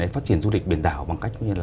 phát triển du lịch biển đảo bằng cách